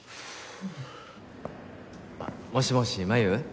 あっもしもし真夢？